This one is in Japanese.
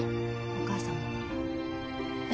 お母さんも。